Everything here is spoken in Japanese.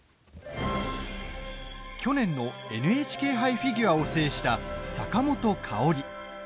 去年の「ＮＨＫ杯フィギュア」を制した、坂本花織。